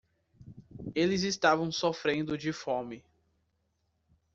Eles estavam sofrendo de fome.